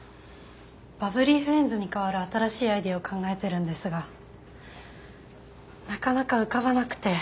バブリーフレンズに代わる新しいアイデアを考えてるんですがなかなか浮かばなくて。